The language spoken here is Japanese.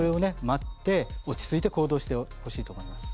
待って落ち着いて行動してほしいと思います。